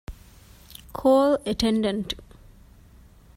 ކޯލް އެޓެންޑެންޓް